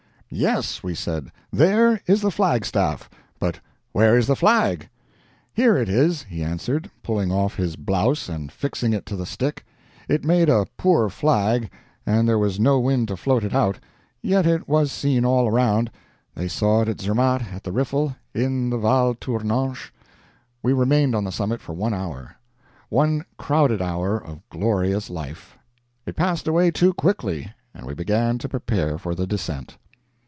"Yes," we said, "there is the flag staff, but where is the flag?" "Here it is," he answered, pulling off his blouse and fixing it to the stick. It made a poor flag, and there was no wind to float it out, yet it was seen all around. They saw it at Zermatt at the Riffel in the Val Tournanche... . We remained on the summit for one hour One crowded hour of glorious life. It passed away too quickly, and we began to prepare for the descent.